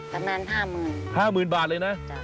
ประมาณ๕หมื่น๕หมื่นบาทเลยนะ